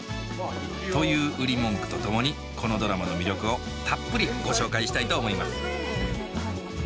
という売り文句とともにこのドラマの魅力をたっぷりご紹介したいと思います